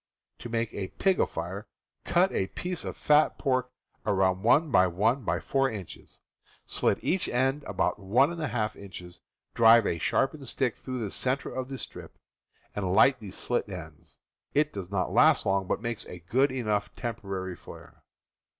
To make a "pig afire," cut a piece of fat pork about 1x1x4 inches, slit each end about 1^ inches, drive a sharpened stick through the center of the strip, and light the slit ends. It does not last long, but makes a good enough temporary flare.